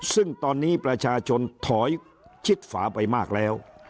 ซึ่งตอนนี้ประชาชนถอยชิดฝาไปมากแล้ว